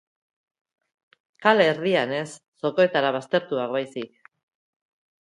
Kale erdian ez, zokoetara baztertuak baizik.